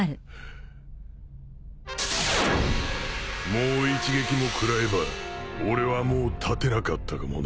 もう一撃も食らえば俺はもう立てなかったかもな。